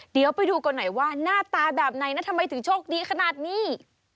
เดี๋ยวไปดูกันหน่อยว่าหน้าตาแบบไหนนะทำไมถึงโชคดีขนาดนี้